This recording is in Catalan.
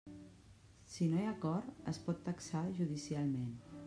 Si no hi ha acord, es pot taxar judicialment.